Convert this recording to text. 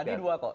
tadi dua kok